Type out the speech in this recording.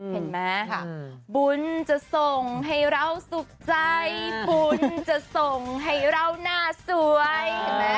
เห็นมั้ยบุญจะส่งให้เราสุขใจบุญจะส่งให้เราน่าสวย